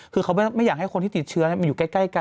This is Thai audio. คือเขาไม่อยากให้คนที่ติดเชื้อมาอยู่ใกล้กัน